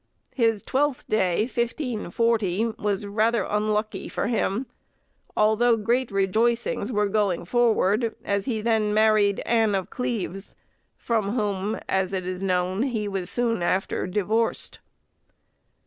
His Twelfth Day, 1540, was rather unlucky for him; although great rejoicings were going forward, as he then married Anne of Cleves, from whom, as it is known, he was soon after divorced.